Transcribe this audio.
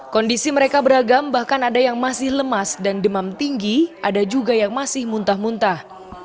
kondisi mereka beragam bahkan ada yang masih lemas dan demam tinggi ada juga yang masih muntah muntah